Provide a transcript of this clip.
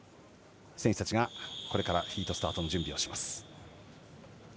選手たちがこれからフィートスタートの準備をします。